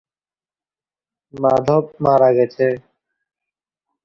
মাধব মারা গেছে।